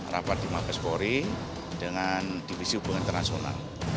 rapat di mabesbori dengan divisi hubungan transponan